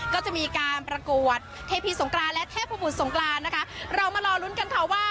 ก็จะมีการประกวดเทพีสงกรานและเทพบุตรสงกรานนะคะเรามารอลุ้นกันค่ะว่า